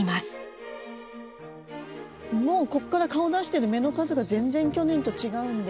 もうここから顔を出してる芽の数が全然去年と違うんで。